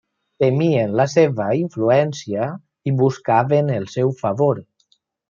Temien la seva influència i buscaven el seu favor.